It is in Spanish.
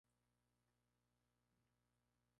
Díaz respondió: ""Sí.